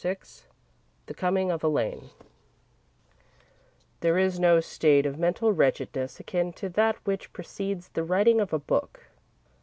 VI The Coming of Elaine There is no state of mental wretchedness akin to that which precedes the writing of a book.